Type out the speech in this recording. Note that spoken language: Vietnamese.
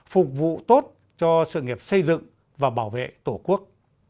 phục vụ tốt cho sự nghiệp xây dựng và bảo vệ tổ quốc